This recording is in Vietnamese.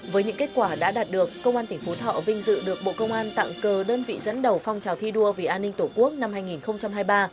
với những kết quả đã đạt được công an tỉnh phú thọ vinh dự được bộ công an tặng cờ đơn vị dẫn đầu phong trào thi đua vì an ninh tổ quốc năm hai nghìn hai mươi ba